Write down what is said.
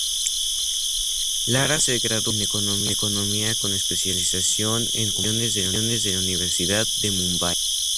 Lara se graduó en economía con especialización en comunicaciones de la Universidad de Mumbai.